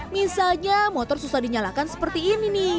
misalnya motor susah dinyalakan seperti ini nih